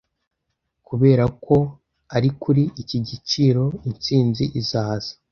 kubera ko ari kuri iki giciro intsinzi izaza